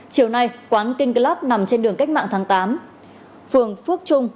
chiều nay quán king club nằm trên đường cách mạng tháng tám phường phước trung